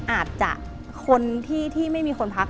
อาจจะคนที่ไม่มีคนพัก